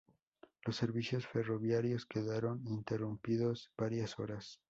Los servicios ferroviarios quedaron interrumpidos varias horas.